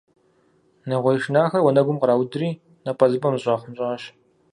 Нэгъуей шынахэр уанэгум къраудри, напӀэзыпӀэм зэщӀахъунщӀащ.